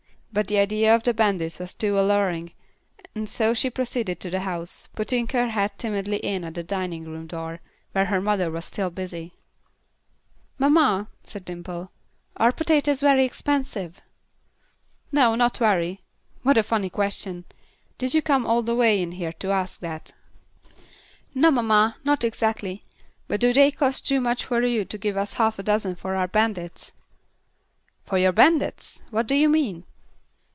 But the idea of the bandits was too alluring, and so she proceeded to the house, putting her head timidly in at the dining room door, where her mother was still busy. "Mamma," she said, "are potatoes very expensive?" "No, not very. What a funny question. Did you come all the way in here to ask that?" "No, mamma, not exactly; but do they cost too much for you to give us half a dozen for our bandits?" "For your bandits! What do you mean?"